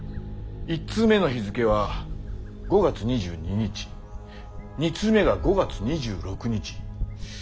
１通目の日付は５月２２日２通目が５月２６日。